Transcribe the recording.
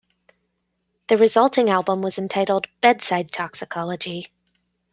The resulting album was entitled "Bedside Toxicology".